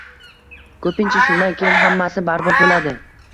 Ko‘pincha shundan keyin hammasi barbod bo‘ladi.